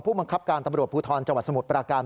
ผู้บังคับการณ์ตำรวจภูทรจสมุทรปราการ